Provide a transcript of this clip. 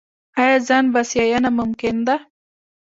آیا ځان بسیاینه ممکن ده؟